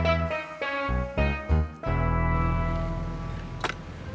neng bisa jual berapa